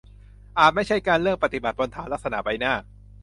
อาจไม่ใช่การเลือกปฏิบัติบนฐานลักษณะใบหน้า